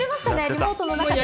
リモートの中で。